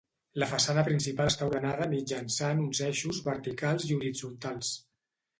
La façana principal està ordenada mitjançant uns eixos verticals i horitzontals.